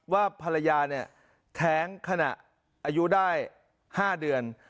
ว่าพลายาแท้งขนาดอายุได้๕เดือน